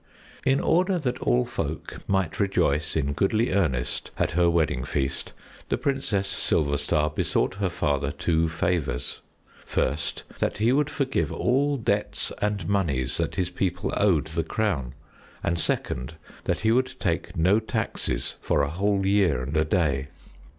In order that all folk might rejoice in goodly earnest at her wedding feast, the Princess Silverstar besought her father two favors. First, that he would forgive all debts and moneys that his people owed the crown, and second, that he would take no taxes for a whole year and a day.